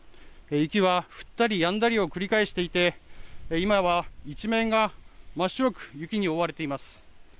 雪は降ったりやんだりを繰り返していて今は一面が真っ白く雪に覆われています。